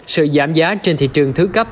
sự giảm giá trên thị trường sơ cấp